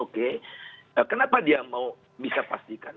kenapa dia bisa pastikan